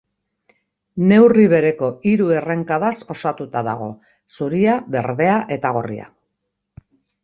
Neurri bereko hiru errenkadaz osatuta dago: zuria, berdea eta gorria.